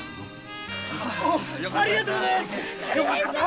ありがとうございます。